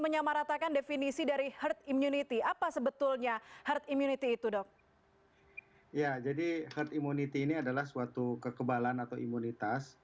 ya jadi herd immunity ini adalah suatu kekebalan atau imunitas